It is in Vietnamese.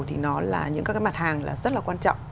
thì nó là những cái mặt hàng rất là quan trọng